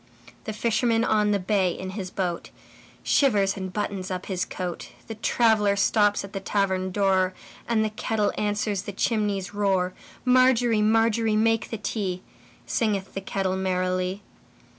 The fisherman on the bay in his boatShivers and buttons up his coat; The traveller stops at the tavern door, And the kettle answers the chimney's roar. Margery, Margery, make the tea, Singeth the kettle merrily.